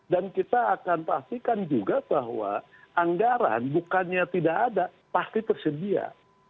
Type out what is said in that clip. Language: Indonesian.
dan kita akan pastikan juga bahwa anggaran bukannya tidak ada pasti tersedia